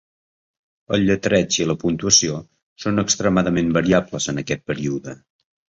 El lletreig i la puntuació són extremadament variables en aquest període.